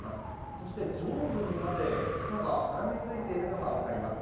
そして、上部にまで草が絡みついているのが分かります。